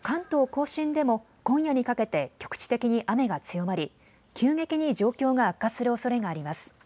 甲信でも今夜にかけて局地的に雨が強まり急激に状況が悪化するおそれがあります。